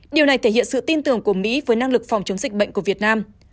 điều này thể hiện sự tin tưởng của mỹ với năng lực phòng chống dịch bệnh của việt nam